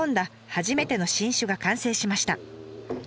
初めての新酒が完成しました。